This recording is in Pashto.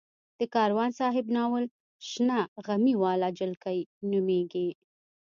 د کاروان صاحب ناول شنه غمي واله جلکۍ نومېږي.